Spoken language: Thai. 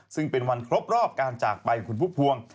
ซึ่งเป็นวันครบรอบการจากไปของคุณผู้พวง